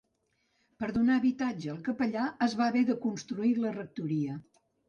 Per donar habitatge al capellà es va haver de construir la rectoria.